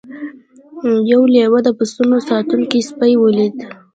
یو لیوه د پسونو ساتونکی سپی ولید.